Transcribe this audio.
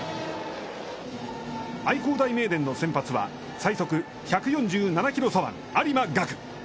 愛工大名電の先発は、最速１４７キロ左腕、有馬伽久。